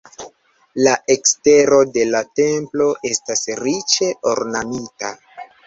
La ekstero de la templo estas riĉe ornamita.